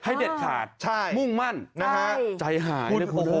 ให้เด็ดขาดมุ่งมั่นใจหายคุณก็คุณแบบนั้น